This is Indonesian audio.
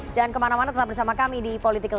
jangan kemana mana tetap bersama kami di political